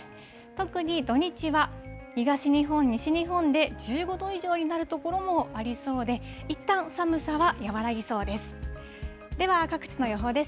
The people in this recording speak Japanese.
特に土日は東日本、西日本で１５度以上になる所もありそうで、いったん、寒さは和らぎそうです。